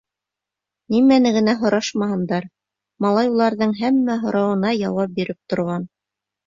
Нимәне генә һорашмаһындар, малай уларҙың һәммә һорауына яуап биреп торған.